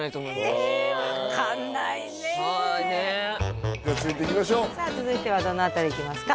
分かんないねえはいねえじゃあ続いていきましょうさあ続いてはどの辺りいきますか？